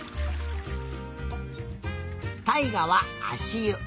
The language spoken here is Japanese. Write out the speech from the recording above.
たいがはあしゆ。